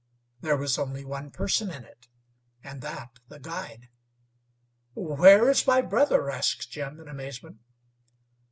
There was only one person in it, and that the guide. "Where is my brother?" asked Jim, in amazement.